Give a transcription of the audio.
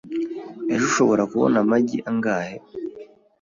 Ejo ushobora kubona amagi angahe?